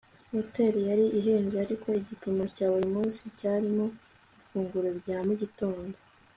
hoteri yari ihenze, ariko igipimo cya buri munsi cyarimo ifunguro rya mugitondo